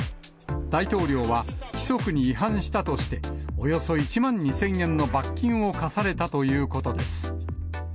大統領は規則に違反したとして、およそ１万２０００円の罰金を科されたということです。